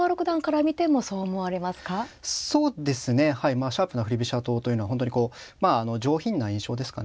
まあシャープな振り飛車党というのは本当にこうまああの上品な印象ですかね。